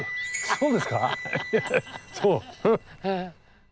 そう？